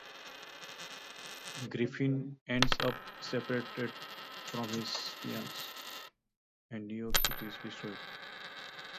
Griffin ends up separated from his fiancee, and New York City is destroyed.